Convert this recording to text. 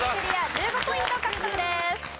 １５ポイント獲得です。